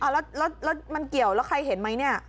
แล้วมันเกี่ยวแล้วใครเห็นไหมเนี่ย